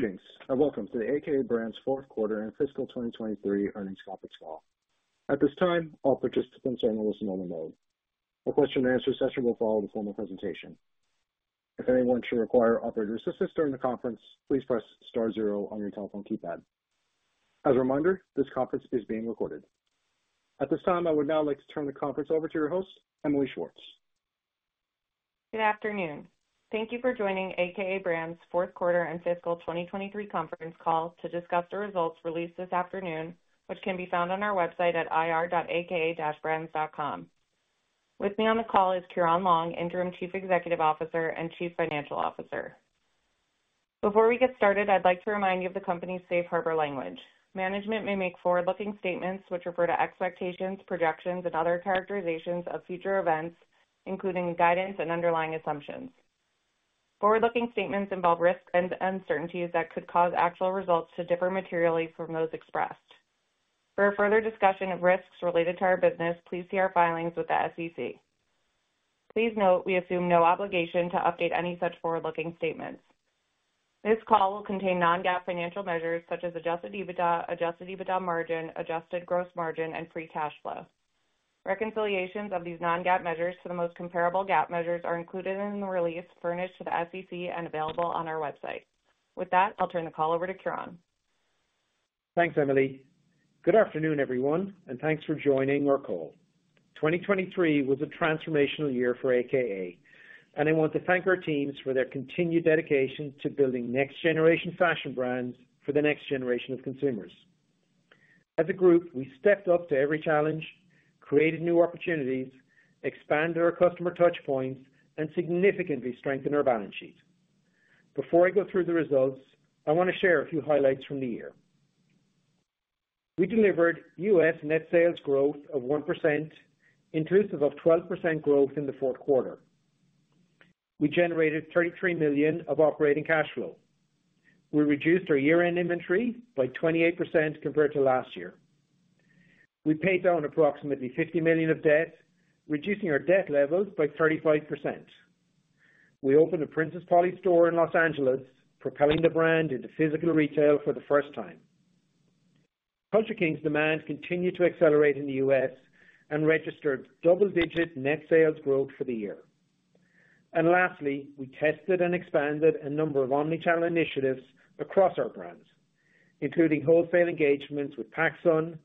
Greetings and welcome to the a.k.a. Brands Fourth Quarter and Fiscal 2023 Earnings Conference call. At this time, all participants are in listen-only mode. A question-and-answer session will follow the formal presentation. If anyone should require operators' assistance during the conference, please press star zero on your telephone keypad. As a reminder, this conference is being recorded. At this time, I would now like to turn the conference over to your host, Emily Schwartz. Good afternoon. Thank you for joining a.k.a. Brands Fourth Quarter and Fiscal 2023 Conference call to discuss the results released this afternoon, which can be found on our website at ir.aka-brands.com. With me on the call is Ciaran Long, Interim Chief Executive Officer and Chief Financial Officer. Before we get started, I'd like to remind you of the company's Safe Harbor language. Management may make forward-looking statements which refer to expectations, projections, and other characterizations of future events, including guidance and underlying assumptions. Forward-looking statements involve risks and uncertainties that could cause actual results to differ materially from those expressed. For a further discussion of risks related to our business, please see our filings with the SEC. Please note we assume no obligation to update any such forward-looking statements. This call will contain non-GAAP financial measures such as Adjusted EBITDA, Adjusted EBITDA Margin, Adjusted Gross Margin, and Free Cash Flow. Reconciliations of these non-GAAP measures to the most comparable GAAP measures are included in the release furnished to the SEC and available on our website. With that, I'll turn the call over to Ciaran. Thanks, Emily. Good afternoon, everyone, and thanks for joining our call. 2023 was a transformational year for a.k.a., and I want to thank our teams for their continued dedication to building next-generation fashion brands for the next generation of consumers. As a group, we stepped up to every challenge, created new opportunities, expanded our customer touchpoints, and significantly strengthened our balance sheet. Before I go through the results, I want to share a few highlights from the year. We delivered U.S. net sales growth of 1%, inclusive of 12% growth in the fourth quarter. We generated $33 million of operating cash flow. We reduced our year-end inventory by 28% compared to last year. We paid down approximately $50 million of debt, reducing our debt levels by 35%. We opened a Princess Polly store in Los Angeles, propelling the brand into physical retail for the first time. Culture Kings demand continued to accelerate in the U.S. and registered double-digit net sales growth for the year. Lastly, we tested and expanded a number of omnichannel initiatives across our brands, including wholesale engagements with PacSun,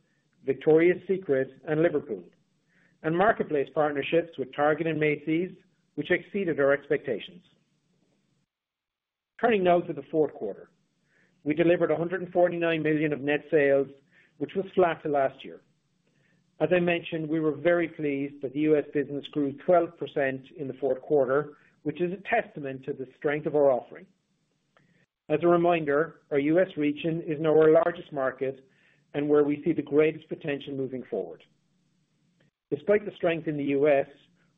Victoria's Secret, and Liverpool, and marketplace partnerships with Target and Macy's, which exceeded our expectations. Turning now to the fourth quarter, we delivered $149 million of net sales, which was flat to last year. As I mentioned, we were very pleased that the U.S. business grew 12% in the fourth quarter, which is a testament to the strength of our offering. As a reminder, our U.S. region is now our largest market and where we see the greatest potential moving forward. Despite the strength in the U.S.,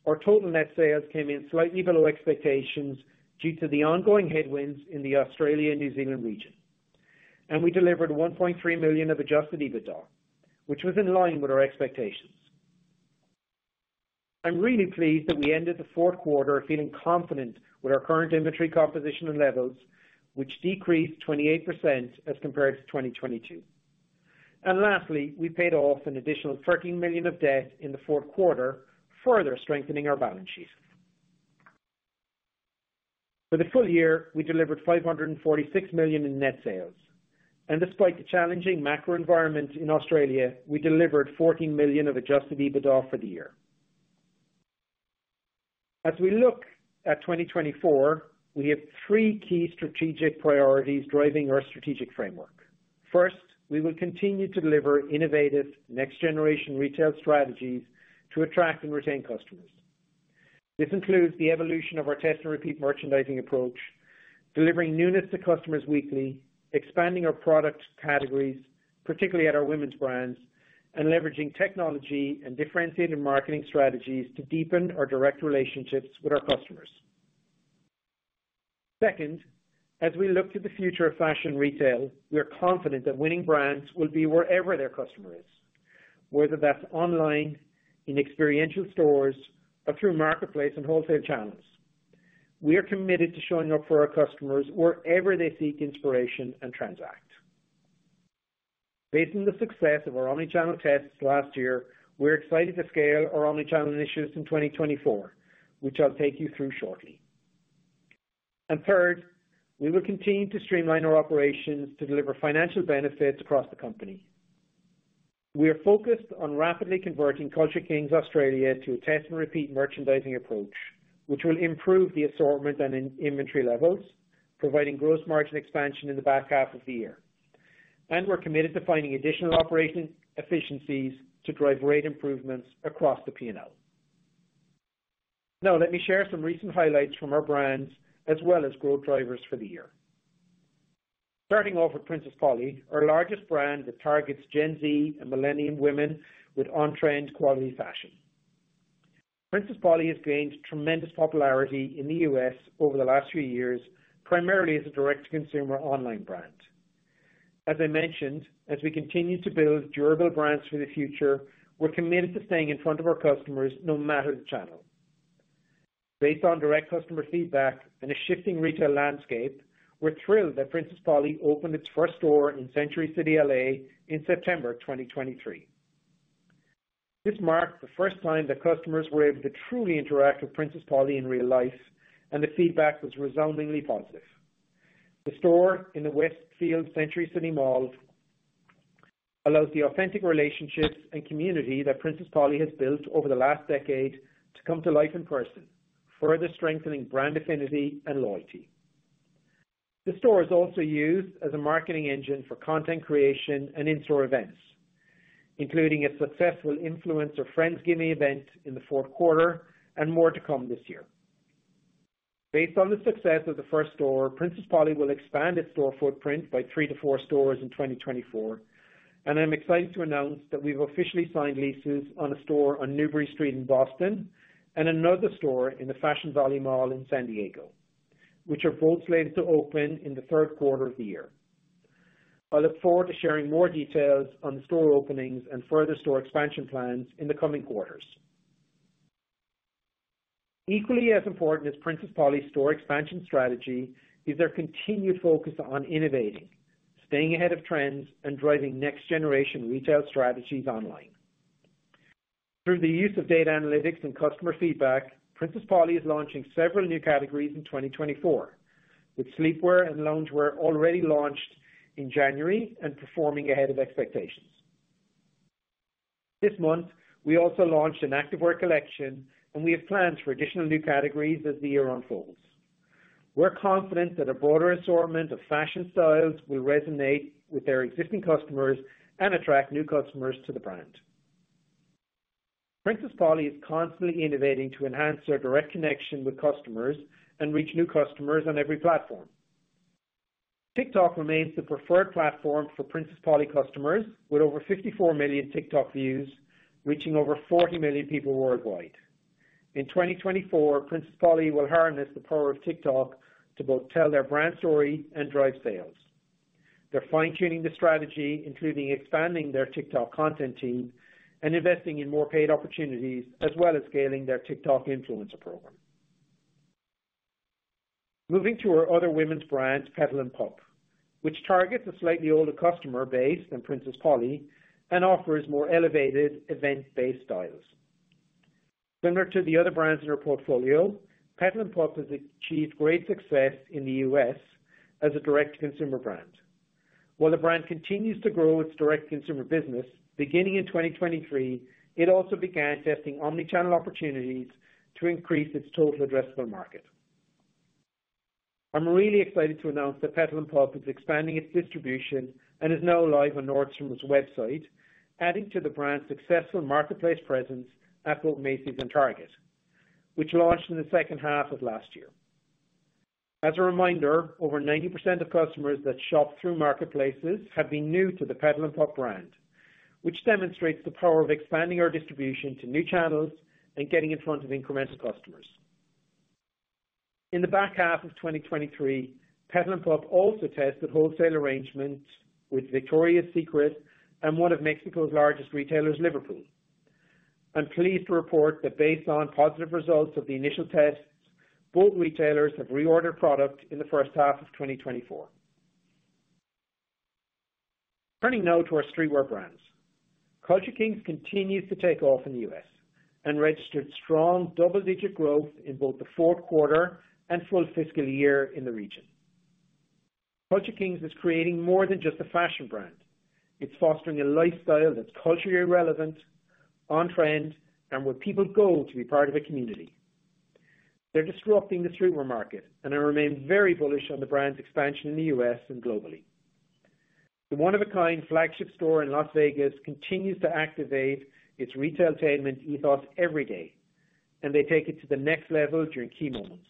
our total net sales came in slightly below expectations due to the ongoing headwinds in the Australia and New Zealand region, and we delivered $1.3 million of Adjusted EBITDA, which was in line with our expectations. I'm really pleased that we ended the fourth quarter feeling confident with our current inventory composition and levels, which decreased 28% as compared to 2022. And lastly, we paid off an additional $13 million of debt in the fourth quarter, further strengthening our balance sheet. For the full year, we delivered $546 million in net sales. And despite the challenging macro environment in Australia, we delivered $14 million of Adjusted EBITDA for the year. As we look at 2024, we have three key strategic priorities driving our strategic framework. First, we will continue to deliver innovative next-generation retail strategies to attract and retain customers. This includes the evolution of our Test-and-Repeat merchandising approach, delivering newness to customers weekly, expanding our product categories, particularly at our women's brands, and leveraging technology and differentiated marketing strategies to deepen our direct relationships with our customers. Second, as we look to the future of fashion retail, we are confident that winning brands will be wherever their customer is, whether that's online, in experiential stores, or through marketplace and wholesale channels. We are committed to showing up for our customers wherever they seek inspiration and transact. Based on the success of our omnichannel tests last year, we're excited to scale our omnichannel initiatives in 2024, which I'll take you through shortly. Third, we will continue to streamline our operations to deliver financial benefits across the company. We are focused on rapidly converting Culture Kings Australia to a Test-and-Repeat merchandising approach, which will improve the assortment and inventory levels, providing gross margin expansion in the back half of the year. We're committed to finding additional operating efficiencies to drive rate improvements across the P&L. Now, let me share some recent highlights from our brands as well as growth drivers for the year. Starting off with Princess Polly, our largest brand that targets Gen Z and millennial women with on-trend quality fashion. Princess Polly has gained tremendous popularity in the U.S. over the last few years, primarily as a direct-to-consumer online brand. As I mentioned, as we continue to build durable brands for the future, we're committed to staying in front of our customers no matter the channel. Based on direct customer feedback and a shifting retail landscape, we're thrilled that Princess Polly opened its first store in Century City, L.A., in September 2023. This marked the first time that customers were able to truly interact with Princess Polly in real life, and the feedback was resoundingly positive. The store in the Westfield Century City Mall allows the authentic relationships and community that Princess Polly has built over the last decade to come to life in person, further strengthening brand affinity and loyalty. The store is also used as a marketing engine for content creation and in-store events, including a successful Influencer Friendsgiving event in the fourth quarter and more to come this year. Based on the success of the first store, Princess Polly will expand its store footprint by three to four stores in 2024. I'm excited to announce that we've officially signed leases on a store on Newbury Street in Boston and another store in the Fashion Valley Mall in San Diego, which are both slated to open in the third quarter of the year. I look forward to sharing more details on the store openings and further store expansion plans in the coming quarters. Equally as important as Princess Polly's store expansion strategy is their continued focus on innovating, staying ahead of trends, and driving next-generation retail strategies online. Through the use of data analytics and customer feedback, Princess Polly is launching several new categories in 2024, with sleepwear and loungewear already launched in January and performing ahead of expectations. This month, we also launched an active wear collection, and we have plans for additional new categories as the year unfolds. We're confident that a broader assortment of fashion styles will resonate with their existing customers and attract new customers to the brand. Princess Polly is constantly innovating to enhance their direct connection with customers and reach new customers on every platform. TikTok remains the preferred platform for Princess Polly customers, with over 54 million TikTok views reaching over 40 million people worldwide. In 2024, Princess Polly will harness the power of TikTok to both tell their brand story and drive sales. They're fine-tuning the strategy, including expanding their TikTok content team and investing in more paid opportunities, as well as scaling their TikTok influencer program. Moving to our other women's brand, Petal & Pup, which targets a slightly older customer base than Princess Polly and offers more elevated event-based styles. Similar to the other brands in our portfolio, Petal & Pup has achieved great success in the U.S. as a direct-to-consumer brand. While the brand continues to grow its direct-to-consumer business beginning in 2023, it also began testing omnichannel opportunities to increase its total addressable market. I'm really excited to announce that Petal & Pup is expanding its distribution and is now live on Nordstrom's website, adding to the brand's successful marketplace presence at both Macy's and Target, which launched in the second half of last year. As a reminder, over 90% of customers that shop through marketplaces have been new to the Petal & Pup brand, which demonstrates the power of expanding our distribution to new channels and getting in front of incremental customers. In the back half of 2023, Petal & Pup also tested wholesale arrangements with Victoria's Secret and one of Mexico's largest retailers, Liverpool. I'm pleased to report that based on positive results of the initial tests, both retailers have reordered product in the first half of 2024. Turning now to our streetwear brands, Culture Kings continues to take off in the U.S. and registered strong double-digit growth in both the fourth quarter and full fiscal year in the region. Culture Kings is creating more than just a fashion brand. It's fostering a lifestyle that's culturally relevant, on-trend, and where people go to be part of a community. They're disrupting the streetwear market and have remained very bullish on the brand's expansion in the U.S. and globally. The one-of-a-kind flagship store in Las Vegas continues to activate its retailtainment ethos every day, and they take it to the next level during key moments.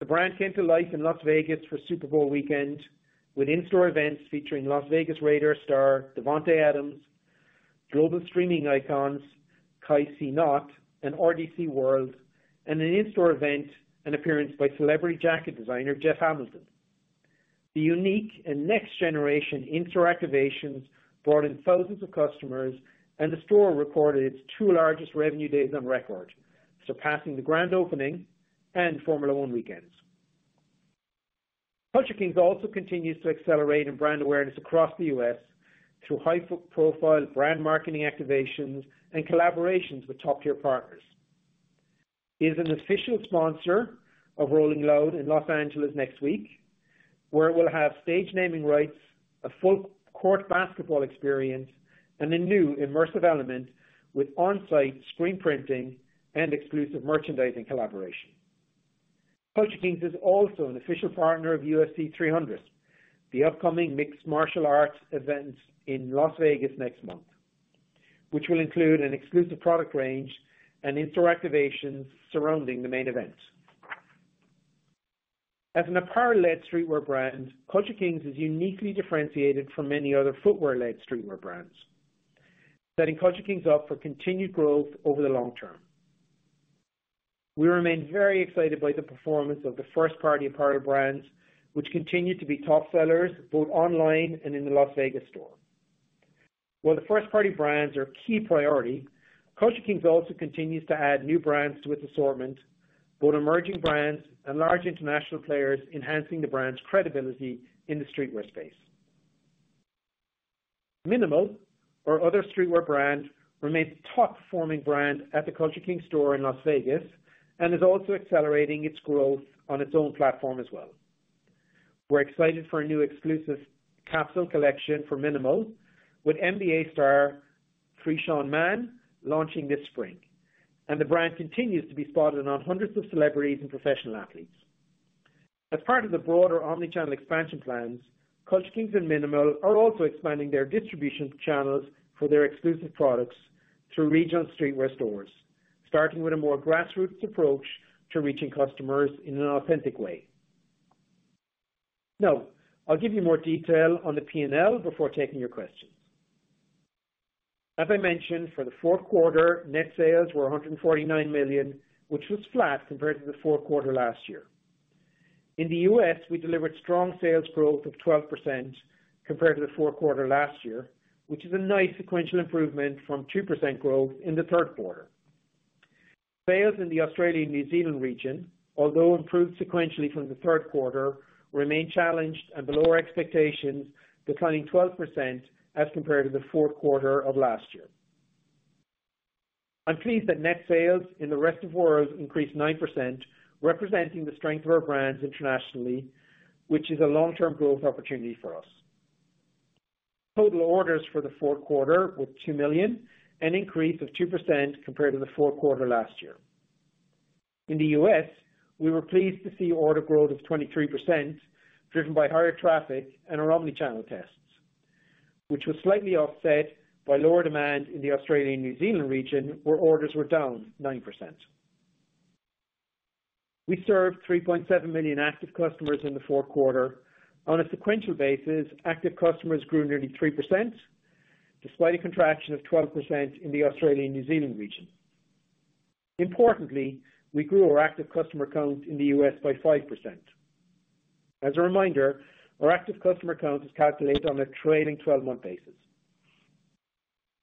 The brand came to life in Las Vegas for Super Bowl weekend with in-store events featuring Las Vegas Raiders star Davante Adams, global streaming icons Kai Cenat and RDCWorld, and an in-store event, an appearance by celebrity jacket designer Jeff Hamilton. The unique and next-generation in-store activations brought in thousands of customers, and the store recorded its two largest revenue days on record, surpassing the grand opening and Formula One weekends. Culture Kings also continues to accelerate in brand awareness across the U.S. through high-profile brand marketing activations and collaborations with top-tier partners. It is an official sponsor of Rolling Loud in Los Angeles next week, where it will have stage naming rights, a full-court basketball experience, and a new immersive element with on-site screen printing and exclusive merchandising collaboration. Culture Kings is also an official partner of UFC 300, the upcoming mixed martial arts event in Las Vegas next month, which will include an exclusive product range and intro activations surrounding the main event. As an apparel-led streetwear brand, Culture Kings is uniquely differentiated from many other footwear-led streetwear brands, setting Culture Kings up for continued growth over the long term. We remain very excited by the performance of the first-party apparel brands, which continue to be top sellers both online and in the Las Vegas store. While the first-party brands are a key priority, Culture Kings also continues to add new brands to its assortment, both emerging brands and large international players enhancing the brand's credibility in the streetwear space. mnml, our other streetwear brand, remains the top-performing brand at the Culture Kings store in Las Vegas and is also accelerating its growth on its own platform as well. We're excited for a new exclusive capsule collection for mnml, with NBA star Terance Mann launching this spring. The brand continues to be spotted on hundreds of celebrities and professional athletes. As part of the broader omnichannel expansion plans, Culture Kings and mnml are also expanding their distribution channels for their exclusive products through region streetwear stores, starting with a more grassroots approach to reaching customers in an authentic way. Now, I'll give you more detail on the P&L before taking your questions. As I mentioned, for the fourth quarter, net sales were $149 million, which was flat compared to the fourth quarter last year. In the U.S., we delivered strong sales growth of 12% compared to the fourth quarter last year, which is a nice sequential improvement from 2% growth in the third quarter. Sales in the Australia and New Zealand region, although improved sequentially from the third quarter, remain challenged and below expectations, declining 12% as compared to the fourth quarter of last year. I'm pleased that net sales in the rest of the world increased 9%, representing the strength of our brands internationally, which is a long-term growth opportunity for us. Total orders for the fourth quarter were 2 million, an increase of 2% compared to the fourth quarter last year. In the U.S., we were pleased to see order growth of 23% driven by higher traffic and our omnichannel tests, which was slightly offset by lower demand in the Australia and New Zealand region, where orders were down 9%. We served 3.7 million active customers in the fourth quarter. On a sequential basis, active customers grew nearly 3%, despite a contraction of 12% in the Australia and New Zealand region. Importantly, we grew our active customer count in the U.S. by 5%. As a reminder, our active customer count is calculated on a trailing 12-month basis.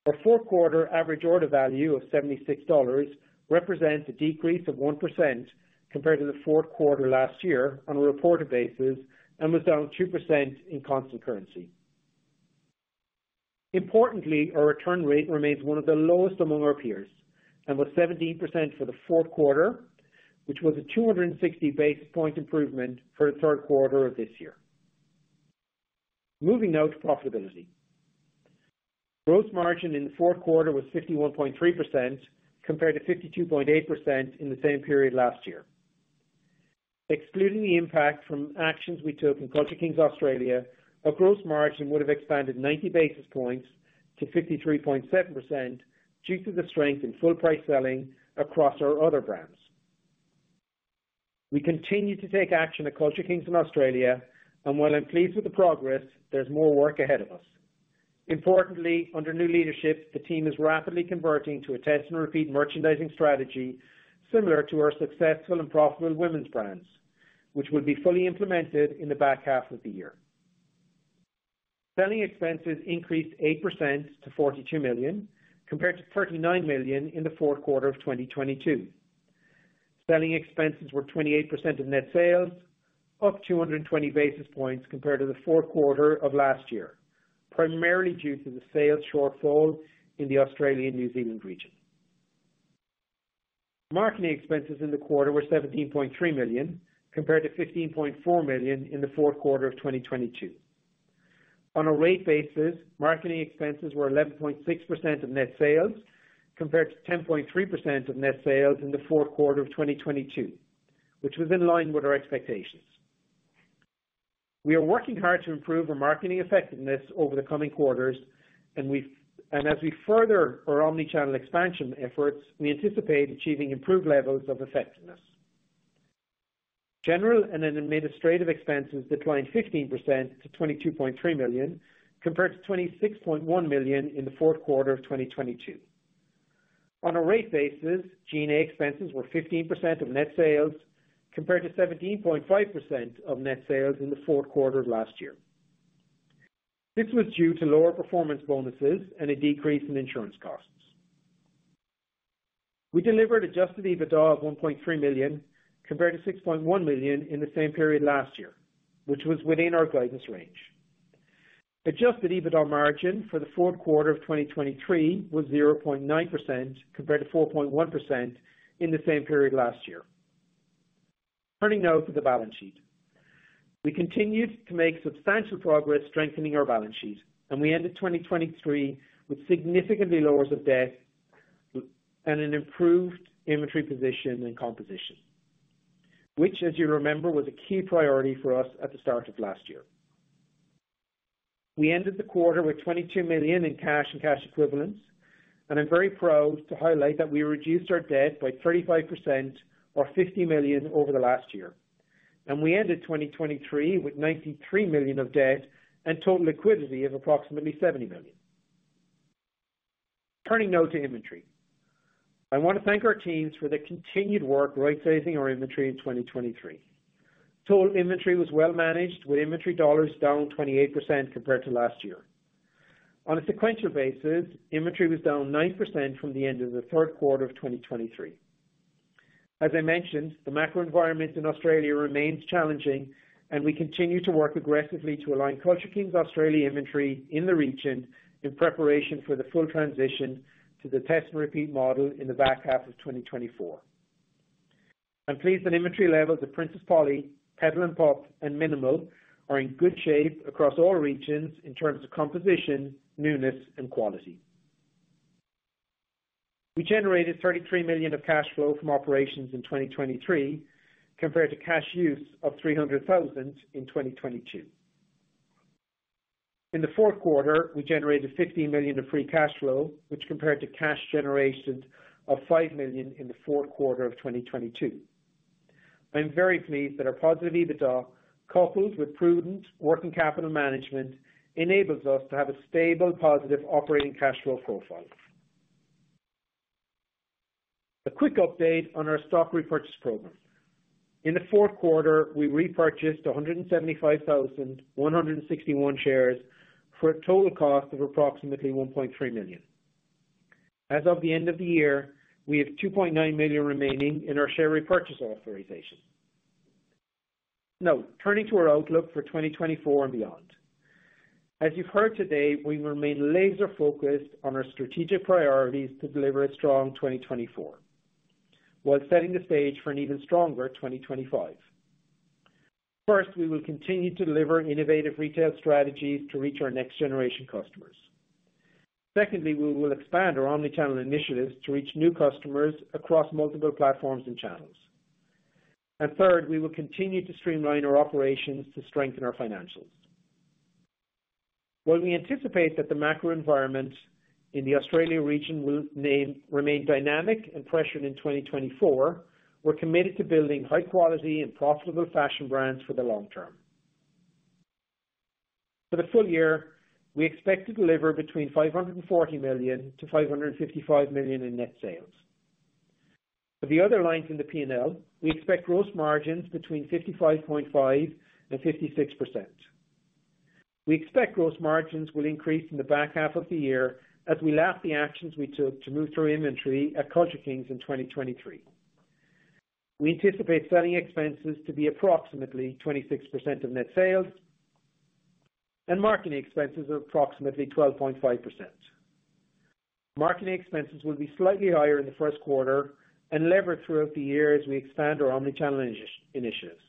Our fourth quarter average order value of $76 represents a decrease of 1% compared to the fourth quarter last year on a reported basis and was down 2% in constant currency. Importantly, our return rate remains one of the lowest among our peers and was 17% for the fourth quarter, which was a 260 basis point improvement for the third quarter of this year. Moving now to profitability. Gross margin in the fourth quarter was 51.3% compared to 52.8% in the same period last year. Excluding the impact from actions we took in Culture Kings Australia, our gross margin would have expanded 90 basis points to 53.7% due to the strength in full-price selling across our other brands. We continue to take action at Culture Kings in Australia, and while I'm pleased with the progress, there's more work ahead of us. Importantly, under new leadership, the team is rapidly converting to a test-and-repeat merchandising strategy similar to our successful and profitable women's brands, which will be fully implemented in the back half of the year. Selling expenses increased 8% to $42 million compared to $39 million in the fourth quarter of 2022. Selling expenses were 28% of net sales, up 220 basis points compared to the fourth quarter of last year, primarily due to the sales shortfall in the Australia and New Zealand region. Marketing expenses in the quarter were $17.3 million compared to $15.4 million in the fourth quarter of 2022. On a rate basis, marketing expenses were 11.6% of net sales compared to 10.3% of net sales in the fourth quarter of 2022, which was in line with our expectations. We are working hard to improve our marketing effectiveness over the coming quarters, and as we further our omnichannel expansion efforts, we anticipate achieving improved levels of effectiveness. General and administrative expenses declined 15% to $22.3 million compared to $26.1 million in the fourth quarter of 2022. On a rate basis, G&A expenses were 15% of net sales compared to 17.5% of net sales in the fourth quarter of last year. This was due to lower performance bonuses and a decrease in insurance costs. We delivered Adjusted EBITDA of $1.3 million compared to $6.1 million in the same period last year, which was within our guidance range. Adjusted EBITDA margin for the fourth quarter of 2023 was 0.9% compared to 4.1% in the same period last year. Turning now to the balance sheet. We continued to make substantial progress strengthening our balance sheet, and we ended 2023 with significantly lower levels of debt and an improved inventory position and composition, which, as you'll remember, was a key priority for us at the start of last year. We ended the quarter with $22 million in cash and cash equivalents, and I'm very proud to highlight that we reduced our debt by 35%, or $50 million, over the last year. We ended 2023 with $93 million of debt and total liquidity of approximately $70 million. Turning now to inventory. I want to thank our teams for their continued work rightsizing our inventory in 2023. Total inventory was well managed, with inventory dollars down 28% compared to last year. On a sequential basis, inventory was down 9% from the end of the third quarter of 2023. As I mentioned, the macro environment in Australia remains challenging, and we continue to work aggressively to align Culture Kings Australia inventory in the region in preparation for the full transition to the test-and-repeat model in the back half of 2024. I'm pleased that inventory levels at Princess Polly, Petal & Pup, and mnml are in good shape across all regions in terms of composition, newness, and quality. We generated $33 million of cash flow from operations in 2023 compared to cash use of $300,000 in 2022. In the fourth quarter, we generated $15 million of free cash flow, which compared to cash generation of $5 million in the fourth quarter of 2022. I'm very pleased that our positive EBITDA, coupled with prudent working capital management, enables us to have a stable, positive operating cash flow profile. A quick update on our stock repurchase program. In the fourth quarter, we repurchased 175,161 shares for a total cost of approximately $1.3 million. As of the end of the year, we have $2.9 million remaining in our share repurchase authorization. Now, turning to our outlook for 2024 and beyond. As you've heard today, we remain laser-focused on our strategic priorities to deliver a strong 2024 while setting the stage for an even stronger 2025. First, we will continue to deliver innovative retail strategies to reach our next-generation customers. Secondly, we will expand our omnichannel initiatives to reach new customers across multiple platforms and channels. Third, we will continue to streamline our operations to strengthen our financials. While we anticipate that the macro environment in the Australia region will remain dynamic and pressured in 2024, we're committed to building high-quality and profitable fashion brands for the long term. For the full year, we expect to deliver between $540 million-$555 million in net sales. For the other lines in the P&L, we expect gross margins between 55.5%-56%. We expect gross margins will increase in the back half of the year as we lap the actions we took to move through inventory at Culture Kings in 2023. We anticipate selling expenses to be approximately 26% of net sales and marketing expenses of approximately 12.5%. Marketing expenses will be slightly higher in the first quarter and level throughout the year as we expand our omnichannel initiatives.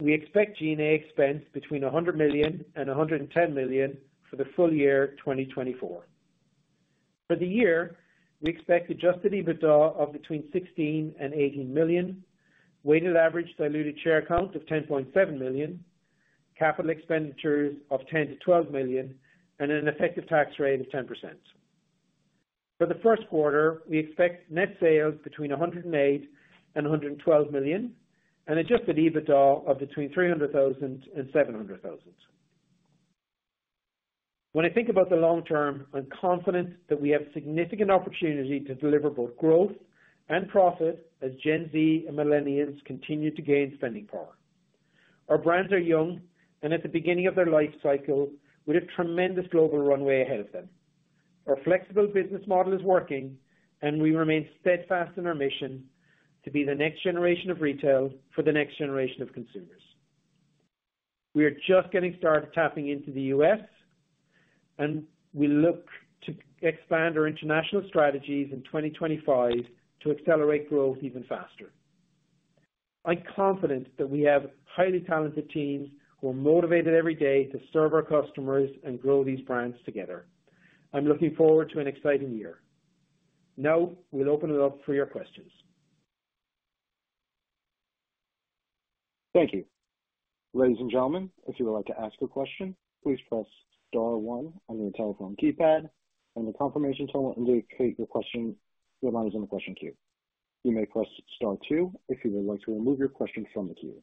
We expect G&A expense between $100 million and $110 million for the full year 2024. For the year, we expect adjusted EBITDA of between $16 million and $18 million, weighted average diluted share count of 10.7 million, capital expenditures of $10 million-$12 million, and an effective tax rate of 10%. For the first quarter, we expect net sales between $108 million and $112 million and adjusted EBITDA of between $300,000 and $700,000. When I think about the long term, I'm confident that we have significant opportunity to deliver both growth and profit as Gen Z and millennials continue to gain spending power. Our brands are young, and at the beginning of their life cycle, we have tremendous global runway ahead of them. Our flexible business model is working, and we remain steadfast in our mission to be the next generation of retail for the next generation of consumers. We are just getting started tapping into the U.S., and we look to expand our international strategies in 2025 to accelerate growth even faster. I'm confident that we have highly talented teams who are motivated every day to serve our customers and grow these brands together. I'm looking forward to an exciting year. Now, we'll open it up for your questions. Thank you. Ladies and gentlemen, if you would like to ask a question, please press star one on your telephone keypad, and the confirmation tone will indicate your question remains in the question queue. You may press star two if you would like to remove your question from the queue.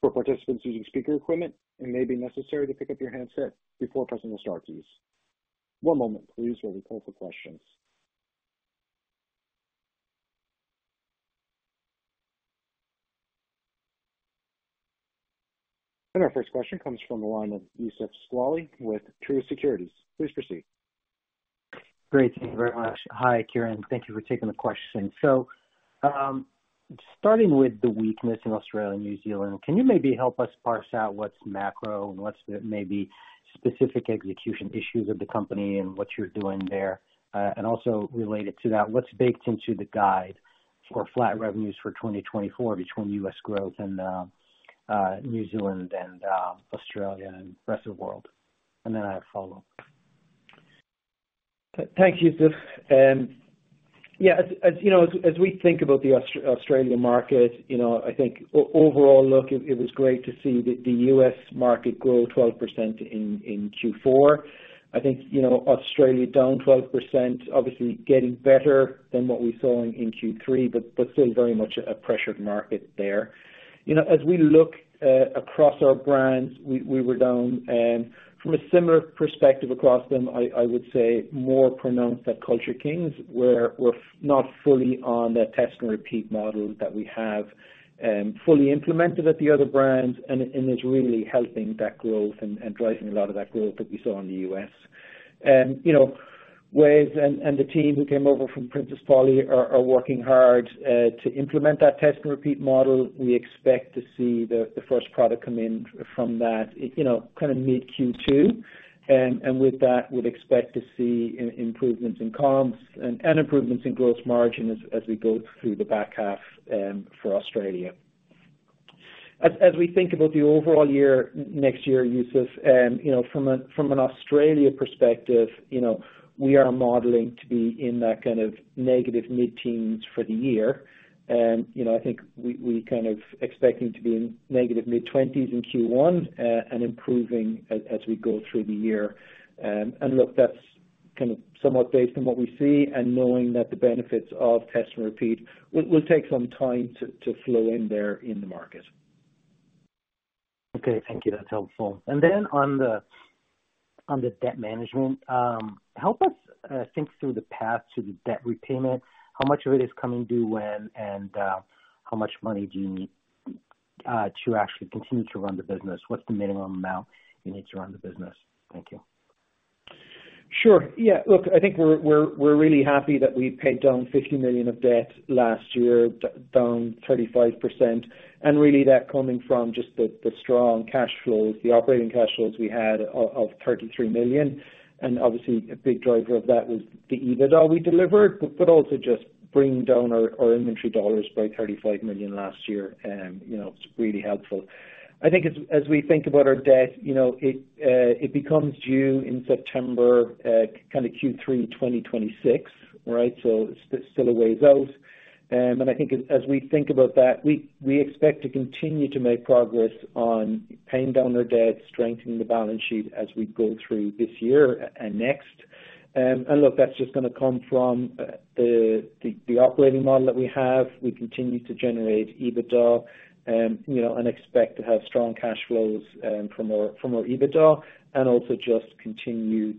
For participants using speaker equipment, it may be necessary to pick up your handset before pressing the star keys. One moment, please, while we pull up the questions. Our first question comes from the line of Youssef Squali with Truist Securities. Please proceed. Great. Thank you very much. Hi, Ciaran. Thank you for taking the question. So starting with the weakness in Australia and New Zealand, can you maybe help us parse out what's macro and what's maybe specific execution issues of the company and what you're doing there? And also related to that, what's baked into the guide for flat revenues for 2024 between U.S. growth and New Zealand and Australia and the rest of the world? And then I'll follow up. Thanks, Youssef. Yeah, as we think about the Australia market, I think overall, look, it was great to see the U.S. market grow 12% in Q4. I think Australia down 12%, obviously getting better than what we saw in Q3, but still very much a pressured market there. As we look across our brands, we were down. From a similar perspective across them, I would say more pronounced at Culture Kings, where we're not fully on that test-and-repeat model that we have fully implemented at the other brands and is really helping that growth and driving a lot of that growth that we saw in the U.S. Wez and the team who came over from Princess Polly are working hard to implement that test-and-repeat model. We expect to see the first product come in from that kind of mid-Q2. With that, we'd expect to see improvements in comms and improvements in gross margin as we go through the back half for Australia. As we think about the overall year next year, Youssef, from an Australia perspective, we are modeling to be in that kind of negative mid-teens for the year. And I think we're kind of expecting to be in negative mid-20s in Q1 and improving as we go through the year. And look, that's kind of somewhat based on what we see and knowing that the benefits of test-and-repeat will take some time to flow in there in the market. Okay. Thank you. That's helpful. And then on the debt management, help us think through the path to the debt repayment. How much of it is coming due when, and how much money do you need to actually continue to run the business? What's the minimum amount you need to run the business? Thank you. Sure. Yeah. Look, I think we're really happy that we paid down $50 million of debt last year, down 35%. And really, that coming from just the strong cash flows, the operating cash flows we had of $33 million. And obviously, a big driver of that was the EBITDA we delivered, but also just bringing down our inventory dollars by $35 million last year. It's really helpful. I think as we think about our debt, it becomes due in September, kind of Q3 2026, right? So it's still a ways out. And I think as we think about that, we expect to continue to make progress on paying down our debt, strengthening the balance sheet as we go through this year and next. And look, that's just going to come from the operating model that we have. We continue to generate EBITDA and expect to have strong cash flows from our EBITDA and also just continue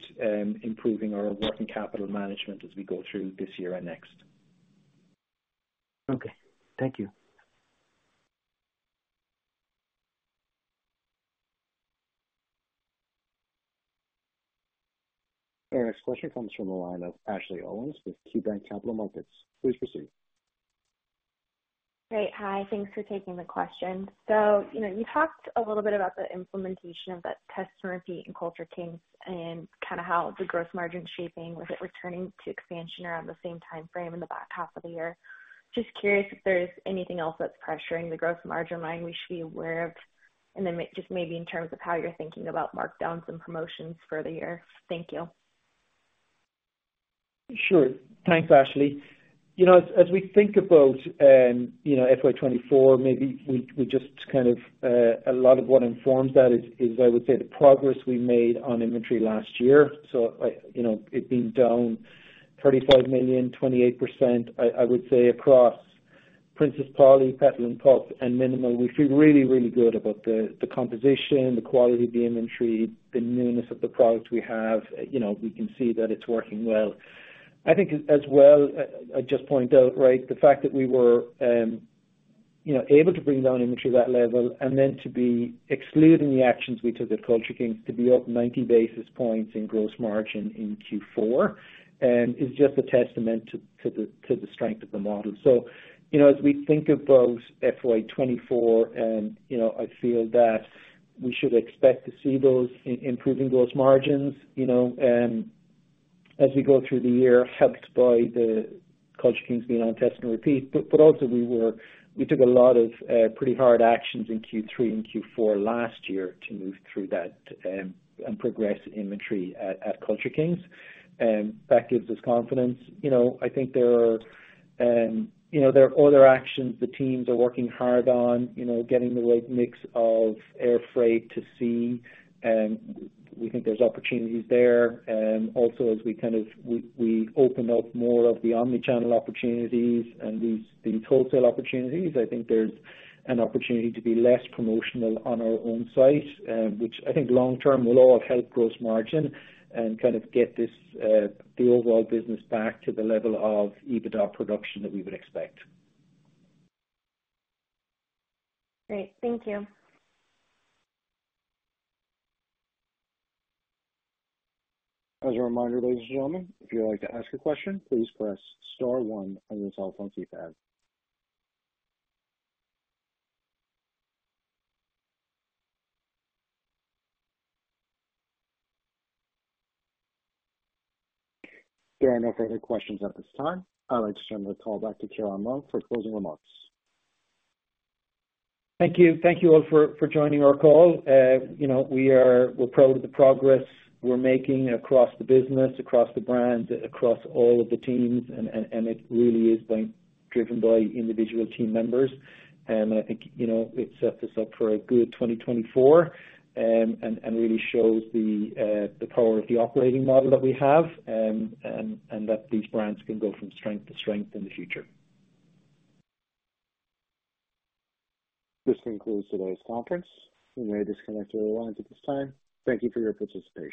improving our working capital management as we go through this year and next. Okay. Thank you. Our next question comes from the line of Ashley Owens with KeyBanc Capital Markets. Please proceed. Great. Hi. Thanks for taking the question. So you talked a little bit about the implementation of that test-and-repeat in Culture Kings and kind of how the gross margin's shaping with it returning to expansion around the same time frame in the back half of the year. Just curious if there's anything else that's pressuring the gross margin line we should be aware of, and then just maybe in terms of how you're thinking about markdowns and promotions for the year. Thank you. Sure. Thanks, Ashley. As we think about FY 2024, maybe we just kind of a lot of what informs that is, I would say, the progress we made on inventory last year. So it being down $35 million, 28%, I would say, across Princess Polly, Petal & Pup, and mnml. We feel really, really good about the composition, the quality of the inventory, the newness of the product we have. We can see that it's working well. I think as well, I'd just point out, right, the fact that we were able to bring down inventory to that level and then to be excluding the actions we took at Culture Kings to be up 90 basis points in gross margin in Q4 is just a testament to the strength of the model. So as we think about FY24, I feel that we should expect to see those improving gross margins as we go through the year, helped by Culture Kings being on Test-and-Repeat. But also, we took a lot of pretty hard actions in Q3 and Q4 last year to move through that and progress inventory at Culture Kings. That gives us confidence. I think there are other actions the teams are working hard on, getting the right mix of air freight to sea. We think there's opportunities there. Also, as we kind of open up more of the omnichannel opportunities and these wholesale opportunities, I think there's an opportunity to be less promotional on our own site, which I think long-term will all help gross margin and kind of get the overall business back to the level of EBITDA production that we would expect. Great. Thank you. As a reminder, ladies and gentlemen, if you would like to ask a question, please press star one on your telephone keypad. There are no further questions at this time. I'd like to turn the call back to Ciaran Long for closing remarks. Thank you. Thank you all for joining our call. We're proud of the progress we're making across the business, across the brands, across all of the teams. It really is driven by individual team members. I think it sets us up for a good 2024 and really shows the power of the operating model that we have and that these brands can go from strength to strength in the future. This concludes today's conference. You may disconnect or rewind at this time. Thank you for your participation.